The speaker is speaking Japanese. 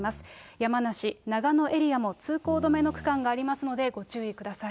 山梨、長野エリアも通行止めの区間がありますのでご注意ください。